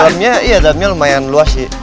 dalamnya iya daniel lumayan luas sih